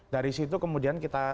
dari situ kemudian kita